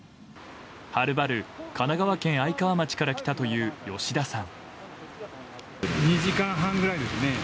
はるばる神奈川県愛川町から来たという吉田さん。